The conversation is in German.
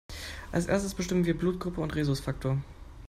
Als Erstes bestimmen wir Blutgruppe und Rhesusfaktor.